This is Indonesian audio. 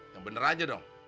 yang bener aja dong